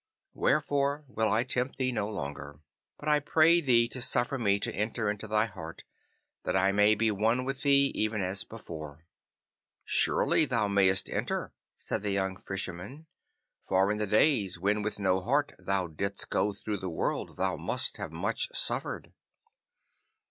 Wherefore will I tempt thee no longer, but I pray thee to suffer me to enter thy heart, that I may be one with thee even as before.' 'Surely thou mayest enter,' said the young Fisherman, 'for in the days when with no heart thou didst go through the world thou must have much suffered.